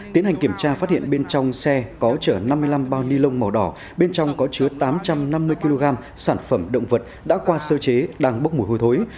tiến hành kiểm tra phát hiện bên trong xe có chở năm mươi năm bao ni lông màu đỏ bên trong có chứa tám trăm năm mươi kg sản phẩm động vật đã qua sơ chế đang bốc mùi hôi thối